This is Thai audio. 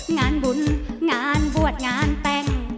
งานบุญงานบวชงานแต่ง